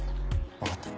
分かった。